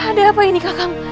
ada apa ini kakak